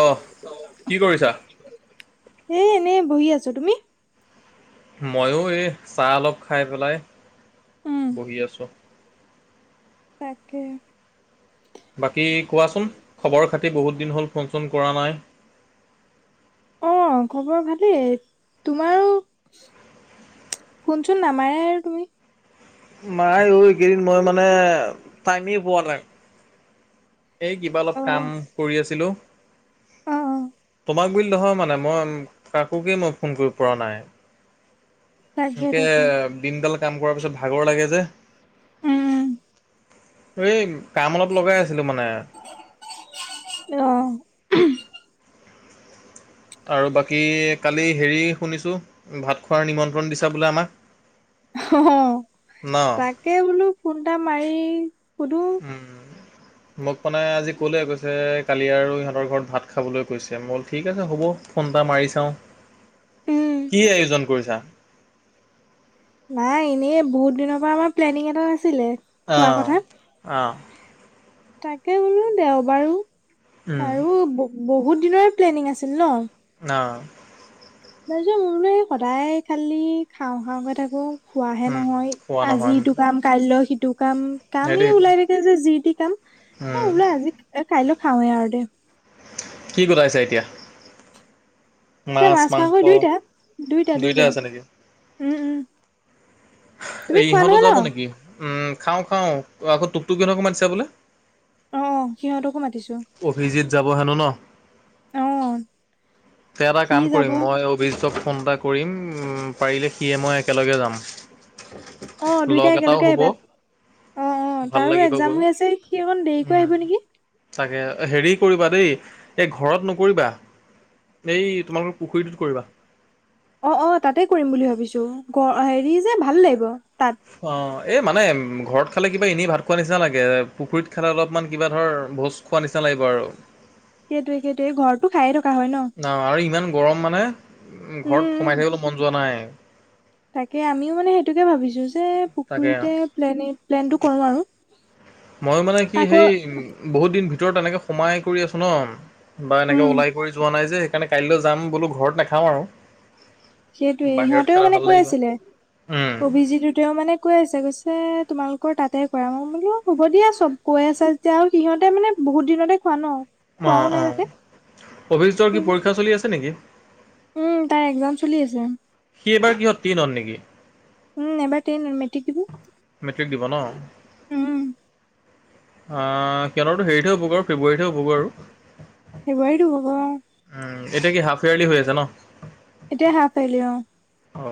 অ কি কৰিছা ছ তুমি মইও এই চাহ অলপ খাই পেলাই উম। বহি আছো তাকে বাকী কোৱাচোন খবৰ খাতি বহুত দিন হ'ল ফোন চোন কৰা নাই। অ', খবৰ ভালেই তোমাৰো ফোনচোন নামাৰে আৰু তুমি। মাই এইকেইদিন মই মানে টাইমেই পোৱা নাই। এই কিবা অলপ অ কাম কৰি আছিলো অ তোমাক বুলি নহয় মানে মই কাকোকেই মই ফোন কৰিব পৰা নাই। তাকে সেনেকে তাকে দিনডাল কাম কৰাৰ পিছত ভাগৰ লাগে যে। উম। এই কাম অলপ লগাই আছিলো মানে। অ [inaudible] আৰু বাকী কালি হেৰি শুনিছোঁ ভাত খোৱাৰ নিমন্ত্ৰণ দিছা বোলে আমাক। অ' ন? তাকে বোলো ফোনটা মাৰি সুধো উম। মোক মানে আজি কলে কৈছে কালি আৰু ইিহঁতৰ ঘৰত ভাত খাবলৈ কৈছে মল ঠিক আছে হ'ব। ফোনটা মাৰি চাও, কি আয়োজন কৰিছা? নাই এনেই বহুত দিনৰ পৰা আমাৰ প্লেনিং এটা। ছিলে খোৱা অঁ কথা অঁ তাকে বোলো দেও বাৰু উম আৰু বহুত দিনৰ প্লেনিং আছিল ন। অ। তাৰ পিছত মোৰ বোলো সদায় খালি খাওঁ খাওঁকে থাকো। খোৱাহে উম নহয় খোৱা আজি নহয় ইটো কাম কাইলৈ সিটো কাম কামেই সেইটোৱে সেইটো ওলাই থাকে যে যি। উম বলে আজি কাইলৈ খাওঁৱে আৰু দে। কি গোটাইছা এতিয়া? এয়া মাছ মাংস দুইটা। দুইটা দুইটা দুইটাাই আছে নেকি। উম উম। তুমি এই খোৱা ইহঁতো নহয় ন যাব নেকি উম খাওঁ খাওঁ আকৌ টুকটুকিহতক মাতিছো বোলে। অ, অ, সিহঁতকো মাতিছো। অভিজিত যাব হেনো ন। অ তে এটা সি কাম যাব কৰিম মই অভি ফোন এটা কৰিম পাৰিলে সিয়ে মই একেলগে যাম অ লগ দুইটাাই এটাও একেলগে হ'ব আহবা। অ, অ, ভাল তাৰো লাগিব এক্সাম গৈ হৈ আছে সি অকণ দেৰিকৈ উম, আহিব নেকি। তাকে হেৰি কৰিবা দেই এই ঘৰত নকৰিবা। এই তোমালোকৰ পুখুৰীটোত কৰিবা। অ' অ' তাতে কৰিম বুলি ভাবিছো হেৰি যে ভাল লাগিব। তাত অ এই মানে ঘৰত খালে কিবা এনেই ভাত খোৱা নিচিনা লাগে পুখুৰীত খালে অলপমান কিবা ধৰ ভোজ খোৱা নিচিনা লে হয় বাৰু সেইটোৱে সেইটোৱে ঘৰতটো খাই থাকোঁ। ন আৰু ইমান গৰম মানে উ উম ঘৰত উম সোমাই থাকিবলৈ মন যোৱা নাই। তাকে আমিও মানে সেইটোকে ভাবিছোঁ যে তাকে পুখুৰীতে প্লেন প্লেনটো কৰো আৰু মই মানে কি আকৌ সেই বহুত দিন ভিতৰত এনেকে সোমাই কৰি আছো ন। বা এনেকে উম ওলাই কৰি যোৱা নাই যে সেইকাৰণে কাইলৈ যাম বোলো ঘৰত নাখাওঁ আৰু সেইটোৱে বাহিৰত ইিহঁতেও খালে মানে ভাল কৈ লাগিব আছিলে উম, অভিজিতটোতেও মানে কৈ আছে কৈছে যে তোমালোকৰ তাতে কৰা মই বোলো হ'ব দিয়া চব কৈ আছা যেতিয়া আৰু সিহঁতে মানে বহুত দিনতে খোৱা ন। অ, খোৱাও নাই অ, তাতে অভিক্ষৰ কি পৰীক্ষা চলি আছে নেকি? উম তাই এক্সাম চলি আছে। সি এবাৰ কিহত তেনত নেকি? উম এবাৰেন মেটি দিিব মেট্ৰিক দিব ন? উম অ কিয়নতো হেৰিতহে হ'বগ আৰু ফেব্ৰুৱাৰীতহে হবগ আৰু ফেব্ৰুৱাৰীতো হ'ব অ', উম এতিয়া কি হাফ ইয়াৰলি হৈ আছে ন এতিয় হাফাইলি অ অ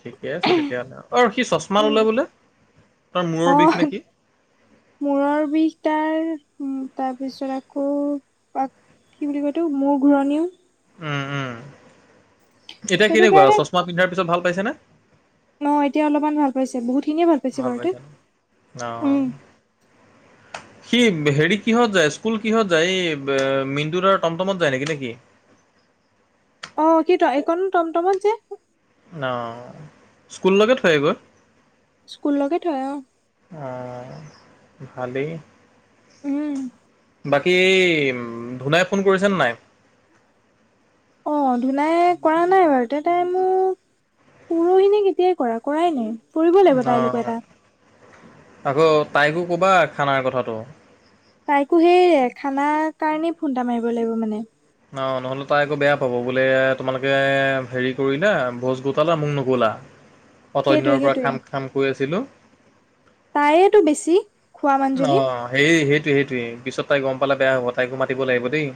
ঠিকে আছে তেতিয়াাহলে অ সি চচমা উম, লে বোলে তাৰ অ মূৰৰ বিষ নেকি মূৰৰ বিষ তাৰ উ তাৰ পিছত আকৌাক কি বুলি কয়তো মোৰ ঘূৰণিও উম উম এতিয়া সেইটো কেনেকুৱা কাৰণে চশমা পিন্ধাৰ পিছত ভাল পাইছে নে অ এতিয়া অলপমান ভাল পাইছে বহুতখিনিয়ে ভাল পাইছে বাৰু তে অ সি হেৰি কিহত যায় স্কুল কিহত যায় এই মিন্দুৰৰ টমটমত যায় নেকি নেকি অ কি তম এইণো টমটমত যে অ স্কুললৈকে থৈগৈ স্কুললৈকে থয় অ ভালেই উম বাকী ধুনাই ফোন কৰিছেনে নাই অ ধূলাই কৰা নাই বাৰু তে তাই মোক পৰহিনেে কেতিয়াই কৰা কৰাই নাই কৰিবব লাগিব তাইলৈোক এটা অ', আকৌ তাইকো ক'বা খানাৰ কথাটো তাইকো সেইৰে খানা কাৰণেই ফুোনটা মাৰিব লাগিব মানে অঁ নহ'লে তাই আকৌ বেয়া পাব বোলে তোমালোকে হেৰি কৰিলো ভোজ গোটালা মোক নকলা অত সেইটোৱে দিনৰ পৰা খাম খাম কৈ আছিলো তাইতটো বেছি খোৱা অ মানুহজনী সেই সেইটোে সেইটোে পিছত তাই গম পালে বেয়া হ'ব তাইকো মাতিব লাগিব দেই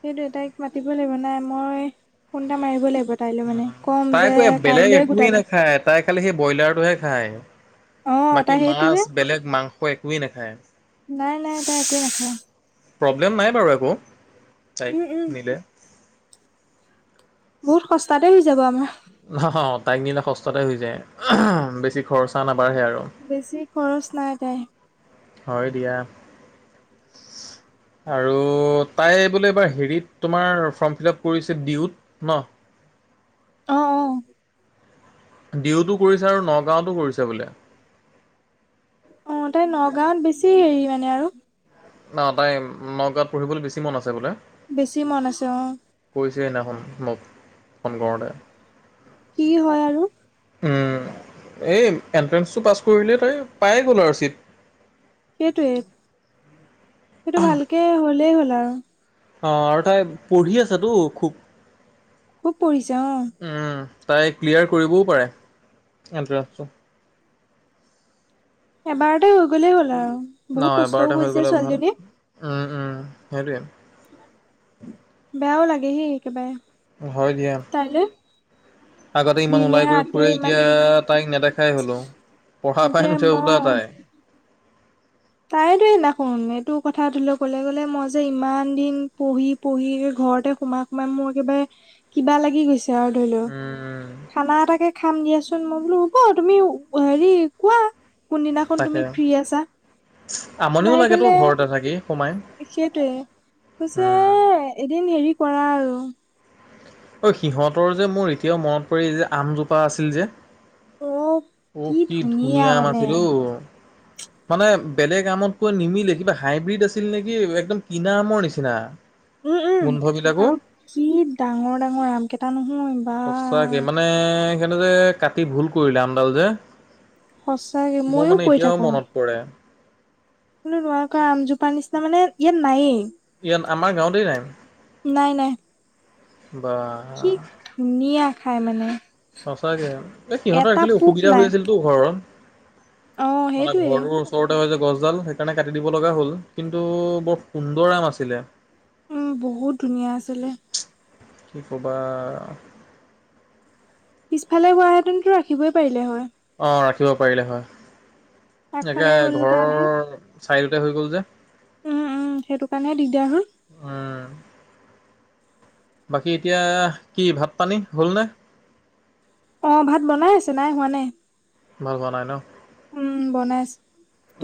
সেইটো তাইক মাতিব লাগিব নাই মই ফোনটা মাৰিব লাগিব তাইলৈ মানে কম তাই যে আকৌ বেলেগ কাইলৈে একোৱেই গোটালো নাখায় তাই খালি সেই ব্ৰইলাৰটোহে খায় অ বাকী তাই সেইটোহে মাছ বেলেগ মাংস একোৱেই নাখায় নাই নাই তই একেই নখা প্ৰব্লেম নাই বাৰু একো তাইক উম উম নিলে বহুত সস্তাতে হৈ যাব আমাৰ নহা তাইক নে স্ততে হৈ যায় বেছি খৰচা না বেছি খৰচ নাই তাই হয় দিয়া আৰু তাই বোলে এইবাৰ হেৰিত তোমাৰ ফৰ্ম ফিল আপ কৰিছে ডিউত ন আহ অ ডিউতো কৰিছে আৰু নগাঁওতো কৰিছে বোলে অ তাই নগাঁৱত বেছি হেৰি মানে আৰু ন তাই নগাঁৱত পঢ়িবলৈ বেছি মন আছে বোলে বেছি মন আছেো কৈছে নখনোন মোক ফোন কৰোঁতে কি হয় আৰু এই এণ্ট্ৰেঞ্চটো পাছ কৰিলে তাই পায়ে গ'ল আৰু ছিট সেইটোৱে সেইটো ভালকে হলেই হ'ল আৰু অ আৰু তাই পঢ়ি আছ ো খুব খুব পৰিঢ়ছে অ তাই ক্লিয়াৰ কৰিবও পাৰে এণ্ট্ৰঞ্চটো এবাৰতে হৈ গ'লেই হ'ল আৰু ন বহুত কষ্টও এবাৰতে হৈ কৰিছে গ'লে ভাল ছোৱালীজনী উম উম হেৰি লেহে একেবাৰে হৈ দিয়া তাইলৈ আগতে ইমান দিনে ওলাই কৰি ফুৰে ৰাতিয়ে ইমান এতিয়া তাইক নেদেখাই হলো পঢ়া পাই এতিয়া অ নুঠে বদ তাই তাই তে ন ক এইটো কথাটোলে কলে গ'লে মই যে ইমান দিন পঢ়ি পঢ়ি ঘৰতে সোমাই সোমাই মোৰ একেবাৰে কিবা লাগি গৈছে আৰু ধৰি লও উম, খানা এটাকে খাম দিয়াচোন মই বোলো হ'ব তুমি হেৰি কোৱা কোনদিনাখন তাকে তুমি ফ্ৰী আছা আমনিও নাই লাগেতো গলে ঘৰতে থাকি সোমাই। সেইটয়ে কৈছে উম, এদিন হেৰি কৰা আৰু অ সিহঁতৰ যে মোৰ এতিয়াও মনত পৰি যে আমজোপা আছিল যে অ অ কি ধুনীয়া মাছিলো মানে বেলেগ আমতকৈ নিমিলে কিবা হাইব্ৰীড আছিল নেকি একদম কিনা আমৰ নিচিনা উম উম গোন্ধবিলাকো আৰু কি ডাঙৰ ডাঙৰ আম কেইট নহয় বা সঁচাকে মানে সেইনে যে কাটি ভুল কৰিলে আমডাল যে সঁচাকে মোৰ মইও মানে এতিয়াও মনত পৰে ো নোৱাৰ কৰা আমজোপাৰ নিচিনা মানে ইয়াত নায়েই ইয় আমাৰ গাঁৱতেই নাই নাই নাই কি বা। ধুনীয়া খাই মানে সঁচাকৈ এই সিহঁতৰ এটা একচেলি পোক অসুবিধা হৈ নাই আছিলতো অ ঘৰত মানে সেইটোৱে ঘৰটোৰ ওচৰতে হৈ গছডাল সেইকাৰণে কাটি দিব লগা হ'ল কিন্তু বৰ সুন্দৰ আম আছিলে বহুত ধুনীয়া আছিলে কি ক'বা পিছফালে গুৱাহাটনতো ৰাখিবই পাৰিলে হয় অ ৰাখিব পাৰিলে হয় আগফালে এে হ'ল কাৰণে ঘৰৰ চাইদোতে হৈ গ'ল যে উম উম সেইটো কাৰণে দিগদাৰ হ'ল উ বাকী এতিয়া কি ভাত পানী হ'লনে অ ভাত বনাই আছে নাই হোৱা নাই ভাল পোৱা নাই ন উম বনাই আছো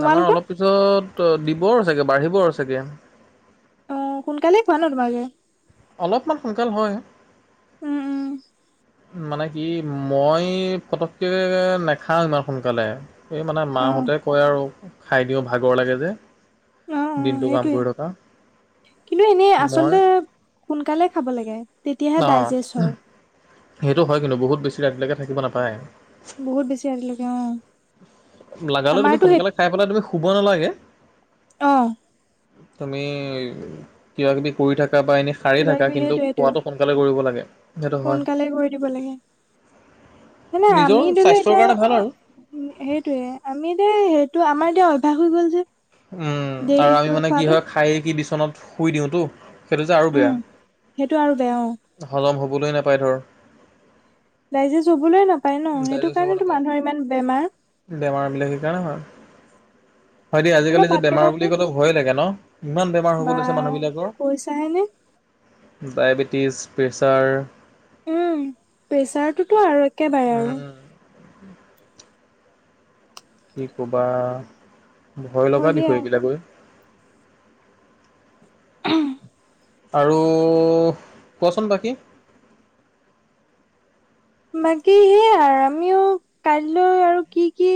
আমাৰ অলপ পিছত দিবও চাগে বাঢ়িব চাগে অ সোনকালে খোৱা ন তোমালোকে অলপমান সোনকাল হয় উম উম মানে কি মই পটকক নাখাও ইমান সোনকালে এই মানে অ মাহঁতে কয় আৰু খাই দিওঁ ভাগৰ লাগে যে অ অ দিনটো কাম সেইটোৱে কৰি থকা কিন্তু এনেই মই আচলতে সোনকালে খাব লাগে তেতিয়াহে অঁ ডাইজেষ্ট হয় সেইটো হয় কিন্তু বহুত বেছি ৰাতিলৈকে থাকিব নাপায় বহুত বেছি ৰাতিলৈকে অ লগালো তুমি আমাৰতো সোনকালে খাই পেলাই তুমি শুব নালাগে আহ তুমি কিবা কিবি কৰি থাক বা এনেই সাৰি কিবা থাকা কিবি কিন্তু সেইটোৱে সেইটোৱে খোৱাতটো সোনকালে কৰিব লাগে সেইটো হয় সোনকালে কৰি দিব লাগে ানে নিজৰ আমি ধৰি লও স্বাস্থ্যৰ কাৰণে ভাল এতিয়া আৰু সেইটোয়ে আমি যে সেইটো আমাৰ এতিয়া অভ্যাস হৈ গ'ল যে উম আৰু আমি দেৰিকৈ মানে কি খোৱাটো হয় খায়ে কি বিচনাত শুই দিওঁতো সেইটো যে আৰু উম বেয়া সেইটো আৰু বেয়া অ হলম হ'বলৈ নাপায় ধৰ ডাইজেষ্ট হবলৈ নাপায় ন সেইটো ডাইজেষ্ট হ'ব কাৰণেতো নাপায় মানুহৰ ইমান বেমাৰ বেমাৰ বিলাক সেইকাৰণে হয়। হয় দেই অলপ আজিকালি যে ভাত বেমাৰ বুলি কেইটে ক'লে ভয়ে লাগে ন? ইমান বেমাৰ হ'ব বা লৈছে মানুহ কৈছাহে নে ডায়বেটিছ প্ৰেছাৰ উম প্ৰেচাৰটোতো আৰু একেবাৰে আৰু উম কি ক'বা ভয় লগা হয় দিয়া দিশয় এইবিলাকো হ আৰু কোৱাচোন বাকী বাকী সেয়া আমিও কাইলৈ আৰু কি কি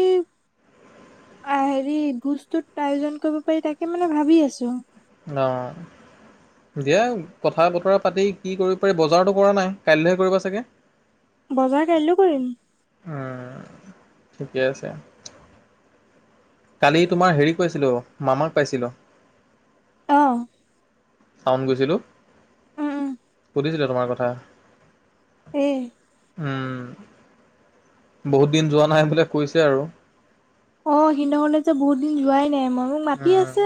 হেৰি ভোজটোত আয়োজন কৰিব পাৰি তাকে মানে ভাবি আছো অ দিয়া কথা বতৰা পাতি কি কৰিব পাৰি বজাৰতো কৰা নাই কাইলৈহে কৰিবা চাগে বজাৰ কাইলৈো কৰিম ঠিকে আছে কালি তোমাৰ হেৰি কৈছিলো মামাক পাইছিলো আহ চাউন গৈছিলোঁ উম উম ছিলে তোমাৰ কথা উ বহুত দিন যোৱা নাই বোলে কৈছে আৰু অ সিন্দকলে যে বহুত দিন যোৱাই নাই মই মোক মাতি আছে উম।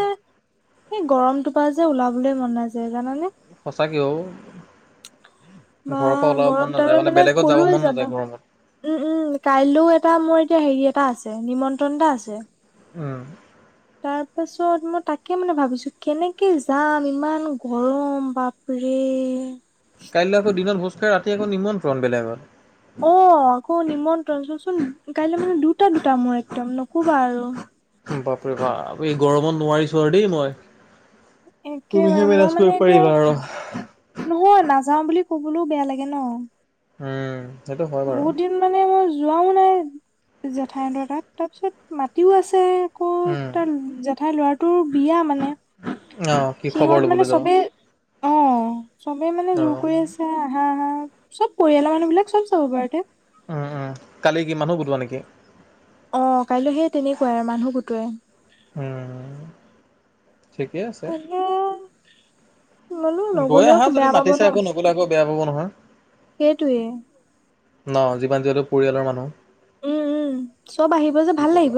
এই গৰমটোপা যে ওলাবলে মন নাযায় জানানে তাকেও বা গৰম নাযায় তালত মানে বেলেগত যাব কলোৱে মন যাবা নাযায় গৰমত উম উম কাইলৈও এটা মোৰ এতিয়া হেৰি এটা আছে নিমন্ত্ৰণ এটা আছে অঁ তাৰ পাছত মই তাকে মানে ভাবিছো কেনেকে যাম ইমান গৰম বাপৰে এই কাইলৈ আকৌ দিনতোজকাঢ় ৰাতি আকৌ নিমন্ত্ৰণ বেলেগত অ আকৌ নিমন্ত্ৰণ চ চোন কাইলৈ মানে দু দুটা দুটা মোৰ একদম নকবা আৰু বাপৰে ব এই গৰমত নোৱাৰিছো আৰু দেই মই তুমিহে একেবাৰে মেনেজ মই কৰিব মানে এতিয়া পাৰিবা আৰু নহোৱা না যাওঁ বুলি কবলৈও বেয়া লাগে ন উম সেইটো হয় বাৰু বহুত দিন মানে মোৰ যোৱাও নাই জেঠাইদ তাত তাৰপিছত মাটিও আছে আকৌ উম তাৰ জেঠাইৰ ল'ৰাটোৰ বিয়া মানে অ কি খবৰ সিহঁত মানে ল'বলৈ যাবা চবেই অ চবেই মানে অ জোৰ কৰি আছে আহা আহা চব পৰিয়ালৰ মানুহ বিলাক চব বাৰ কালি কি মমানুো গোটোৱা নেকি অ কাইলৈ সেই তেনেকুৱাই আৰু মানুহ গোটে উম ঠিকেই আছে পানে গৈ আহা যদি মাতিছে আকৌ নগলে আকৌ বেয়া পাব নহয় সেইটোৱে ন যিমান যিহেতু পৰিয়ালৰ মানুহ উম উম চব আহিব যে কি ভাল ক'বা লাগিব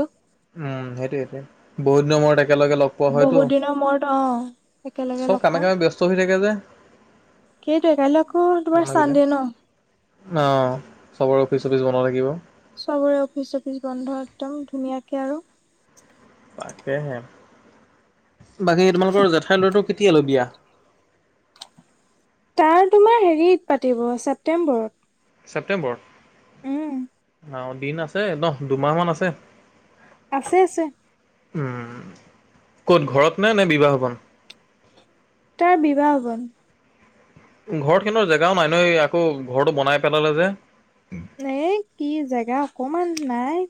উম সেইটোয়টে বহুত নমৰ ত একেলগে লগ পোৱা হয়তো বহুত দিনৰ মূৰত অ একেলগে চব লগ কামে পাম কামে ব্যস্ত হৈ থাকে যে সেইটোৱে কাইলৈ আকৌ তোমাৰ মানুহবিলাক। চান্দে ন অ চবৰে অফিচ চফিচ বন থাকিব চবৰে অফিচ চফিচ বন্ধ একদম ধুনীয়াকে আৰু তাকেহে বাকী তোমালোকৰ জেঠাইৰ লৰাটো কেতিয়ালৈ বিয়া তাৰ তোমাৰ হেৰিত পাতিব ছেপ্তেম্বৰত ছেপ্্তেম্বৰ উম অ দিন আছে নহ দুমাহমান আছে আছে আছে উম ক'ত ঘৰত নে নে বিবাহবন তাৰ বিবাহ বন ঘৰখনৰ জেগাও নাই নহ আকৌ ঘৰটো বনাই পেলালে যে ন কি জেগা অকমান নাই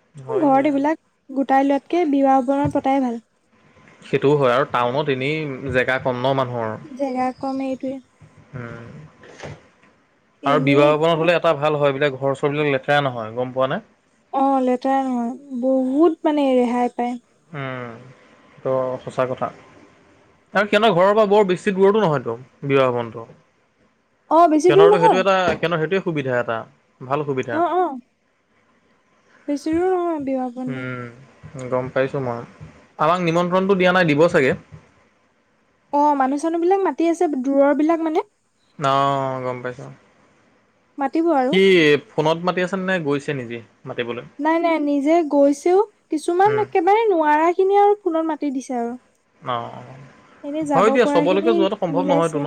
হম ঘৰত এইবিলাক গোটাই লোৱাতকে বিবাহ অৱণত পতাই ভাল সেইটোও হয় আৰু টাউনত এনে জেগা কন্ ন মানুহ জেগা কম এইটোৱে উম আৰু এনেই বিবাহৱনত হলে এটা ভাল হয় বিলাক খৰচৰবলাক লেখাই নহয় গম পোৱা নাই অ লেতেৰা নহয় বহুত মানে ৰেহাই পায় তটো সঁচা কথা আৰু সিহতৰ ঘৰৰ পৰা বৰ বেছি দূুৰৰতো নহয়তো বিবাহ বনটো অ বেছি দূৰ কেনৰতো নহয় সেইটো এটা কেনৰনৰ সেইটোৱে সুবিধা এটা ভাল সুবিধা বছো অ বিবাহ বন্ধু উম, গম পাইছো মই আমাক নিমন্ত্ৰণটো দিয়া নাই দিব চাগে অ মানুহ চানুহ বিলাক মাতি আছে দূৰৰ বিলাক মানে ন গম পাইছো মাতিব স আৰু ফোনত মাতি আছে নে গৈছে নিজি নাই নাই নিজে গৈছেও কিছুমান উম, একেবাৰে নোৱাৰা খিনিে আৰু ফোনত মাতি দিছে আৰু অঁ এনে হয় যাব দিয়া পৰা চবলৈকে খিনি যোৱাটো সম্ভৱ নহয়তটো মিলাইছে ন